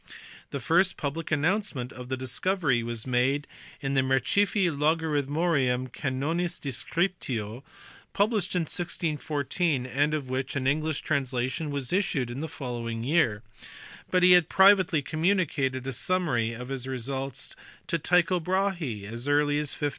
The first public announce ment of the discovery was made in his Mirifici Logarithmorum Canonis Descriptio, published in 1614, and of which an English translation was issued in the following year; but he had privately communicated a summary of his results to Tycho Brahe as early as 1594.